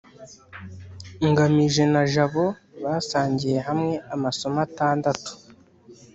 ngamije na jabo basangiye hamwe amasomo atandatu